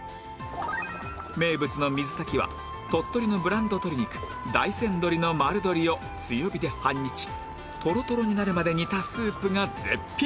名物の水炊きは鳥取のブランド鶏肉大山どりの丸鶏を強火で半日トロトロになるまで煮たスープが絶品！